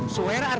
sewer artinya apa